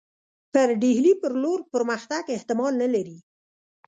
پر ډهلي پر لور پرمختګ احتمال نه لري.